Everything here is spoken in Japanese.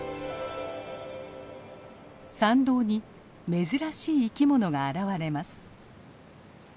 参道に珍しい生き物が現れます。